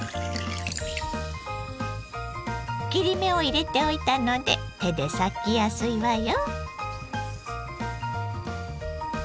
切り目を入れておいたので手で裂きやすいわよ。